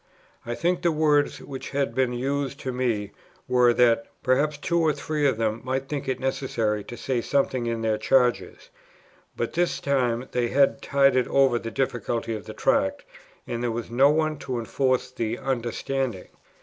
I think the words, which had then been used to me, were, that "perhaps two or three of them might think it necessary to say something in their charges;" but by this time they had tided over the difficulty of the Tract, and there was no one to enforce the "understanding."